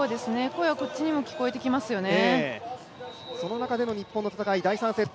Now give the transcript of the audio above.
声はこっちにも聞こえてきますよね。